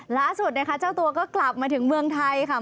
ล่าสุดนะคะเจ้าตัวก็กลับมาถึงเมืองไทยค่ะ